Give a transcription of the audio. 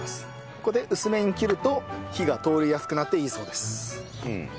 ここで薄めに切ると火が通りやすくなっていいそうです。